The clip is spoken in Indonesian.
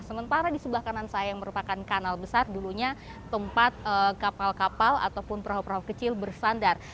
sementara di sebelah kanan saya yang merupakan kanal besar dulunya tempat kapal kapal ataupun perahu perahu kecil bersandar